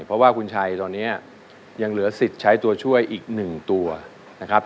เพราะว่าคุณชัยตอนนี้ยังเหลือสิทธิ์ใช้ตัวช่วยอีกหนึ่งตัวนะครับ